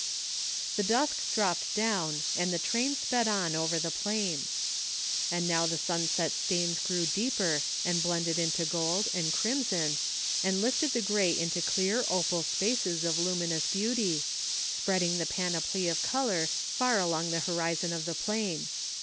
The dusk dropped down and the train sp^ on over the plains. And now the sunset stains grew deeper and blended into gold and crimson and lifted the gray into clear opal spaces of luminous beauty, spreading the panoply of color far along the horizon of the plain.